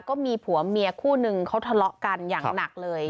ก็มีผัวเมียคู่นึงเขาทะเลาะกันอย่างหนักเลย